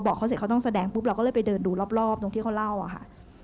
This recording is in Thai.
เขาเสร็จเขาต้องแสดงปุ๊บเราก็เลยไปเดินดูรอบตรงที่เขาเล่าอะค่ะ